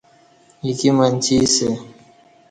ایکی منچی اسہ۔